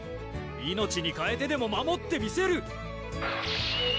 命にかえてでも守ってみせる！